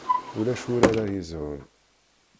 Ulac ul ara yezhun.